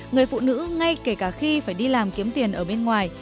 người phụ nữ ngay kể cả khi phải đi làm kiếm tiền ở bên ngoài